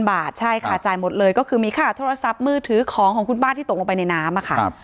บาทใช่ค่ะจ่ายหมดเลยก็คือมีค่าโทรศัพท์มือถือของของคุณป้าที่ตกลงไปในน้ำค่ะ